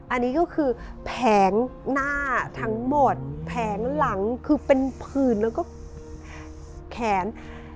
อันนี้ก็คือแผงหน้าทั้งหมดแผงหลังคือเป็นผื่นแล้วก็แขน